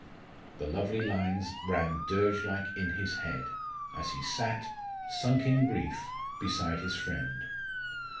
The lovely lines ran dirge like in his head, as he sat, sunk in grief, beside his friend.